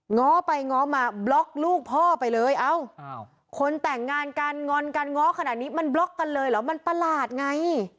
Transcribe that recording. ง้อไปง้อมาบล็อกลูกพ่อไปเลยเอ้าคนแต่งงานกันงอนกันง้อขนาดนี้มันบล็อกกันเลยเหรอมันประหลาดไง